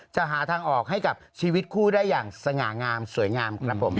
หาทางออกให้กับชีวิตคู่ได้อย่างสง่างามสวยงามครับผม